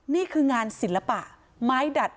นี่คืองานศิลปะไม้ดัด